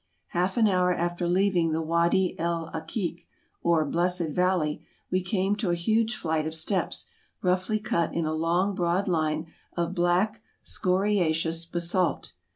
Half an hour after leaving the Wady el Akik, or "Blessed Valley," we came to a huge flight of steps, roughly cut in a long, broad line of black, scoriaceous 246 TRAVELERS AND EXPLORERS basalt.